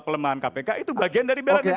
pelemahan kpk itu bagian dari bela negara